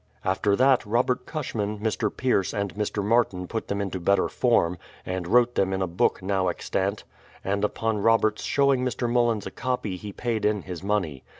After that, Robert Cushman, Mr. Pierce, and Mr. Martin put them into better form, and wrote them in a book now extant; and upon Robert's showing Mr. Mullins a copy he paid in his money.